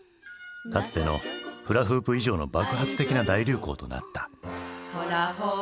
かつてのフラフープ以上の爆発的な大流行となった。